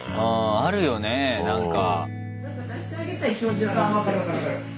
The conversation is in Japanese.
あるよねなんか。